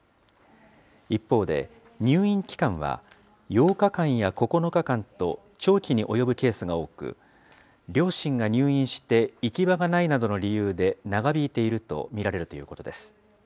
一方で、入院期間は８日間や９日間と、長期に及ぶケースが多く、両親が入院して行き場がないなどの理由で長引いていると見られるということです。